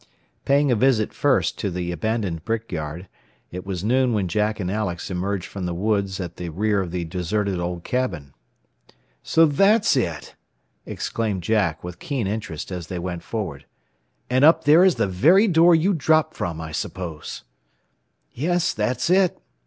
Paying a visit first to the abandoned brick yard, it was noon when Jack and Alex emerged from the woods at the rear of the deserted old cabin. "So that's it!" exclaimed Jack with keen interest as they went forward. "And up there is the very door you dropped from, I suppose?" "Yes, that is it.